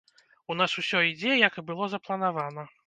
У нас усё ідзе, як і было запланавана.